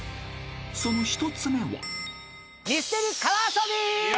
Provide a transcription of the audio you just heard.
［その１つ目は］